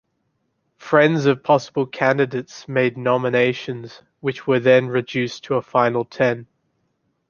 Friends of possible candidates made nominations, which were then reduced to a final ten.